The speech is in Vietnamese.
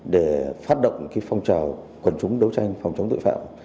để phát động phong trào quần chúng đấu tranh phòng chống tội phạm